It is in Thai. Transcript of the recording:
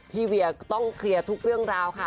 เวียต้องเคลียร์ทุกเรื่องราวค่ะ